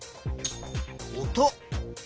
音。